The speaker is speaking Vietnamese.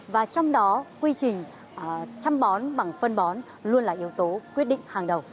và trong đó quy trình chăm bón bằng phân bón luôn là yếu tố quyết định hàng đầu